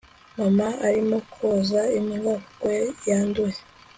mama arimo koza imbwa kuko yanduye